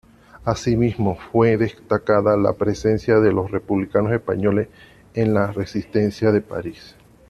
Asimismo fue destacada la presencia de republicanos españoles en la Resistencia de París.